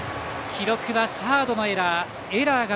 記録はサードのエラー。